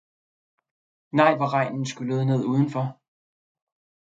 Nej hvor regnen skyllede ned udenfor!